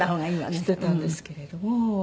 してたんですけれども。